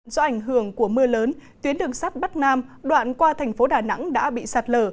do ảnh hưởng của mưa lớn tuyến đường sắt bắc nam đoạn qua thành phố đà nẵng đã bị sạt lở